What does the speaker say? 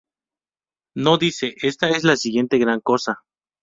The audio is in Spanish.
No dice: "Esta es la siguiente gran cosa".